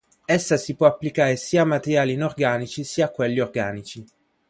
Essa si può applicare sia a materiali inorganici sia a quelli organici.